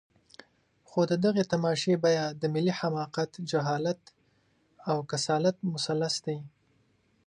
خو د دغې تماشې بیه د ملي حماقت، جهالت او کسالت مثلث دی.